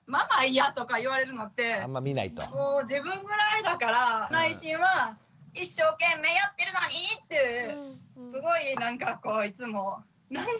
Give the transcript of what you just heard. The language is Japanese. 嫌とか言われるのってもう自分ぐらいだから内心は一生懸命やってるのに！ってすごいなんかこういつもなんで？